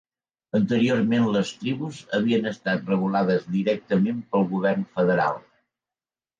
Anteriorment les tribus havien estat regulades directament pel govern federal.